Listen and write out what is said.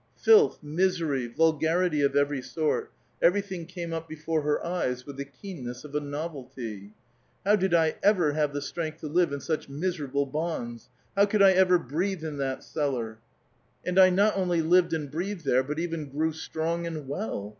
Filth, misery, vulgarity of every sort, — everything came up before her eyes with the keenness of a novelty. *' How did I ever have the strength to live in such misera ble bonds ? How could I ever breathe in that cellar ? And Ifii A VITAL QUESTION. I not only lived and breathed there, but even grew strong and well